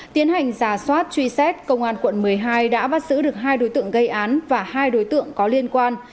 tiến hành giả soát truy xét công an quận một mươi hai đã bắt giữ được hai đối tượng gây án và hai đối tượng có liên quan